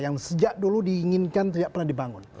yang sejak dulu diinginkan tidak pernah dibangun